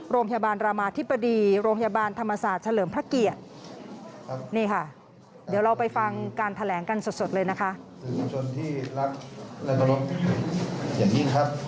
โรงพยาบาลรามาธิปดีโรงพยาบาลธรรมศาสตร์เฉลิมพระเกียรติ